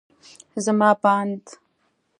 زما په اند